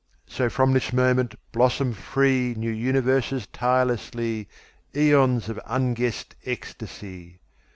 So from this moment blossom freeNew universes tirelessly—Aeons of unguessed ecstasy!